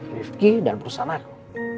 rifki dan perusahaan aku